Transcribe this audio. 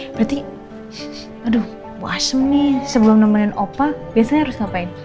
berarti aduh asem nih sebelum namanya opa biasanya harus ngapain